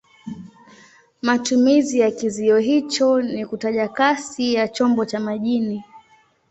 Matumizi ya kizio hicho ni kutaja kasi ya chombo cha majini.